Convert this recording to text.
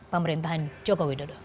pemerintahan joko widodo